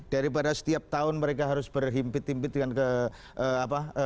daripada setiap tahun mereka harus berhimpit himpit dengan kebanjiran